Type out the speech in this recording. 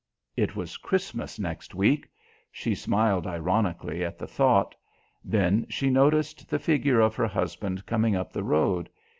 It was Christmas next week. She smiled ironically at the thought. Then she noticed the figure of her husband coming up the road.